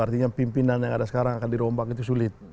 artinya pimpinan yang ada sekarang akan dirombak itu sulit